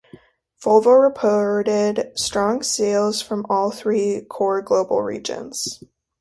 Volvo reported strong sales from all three core global regions.